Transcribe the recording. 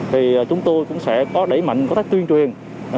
thì chúng tôi cũng sẽ có đẩy mạnh có cách tuyên truyền